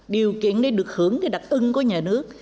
điều kiện này được hưởng cái đặc ưng của nhà nước